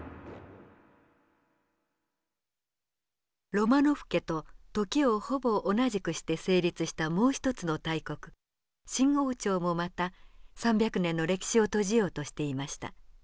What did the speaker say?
ロマノフ家と時をほぼ同じくして成立したもう一つの大国清王朝もまた３００年の歴史を閉じようとしていました。